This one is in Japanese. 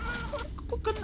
ここかな？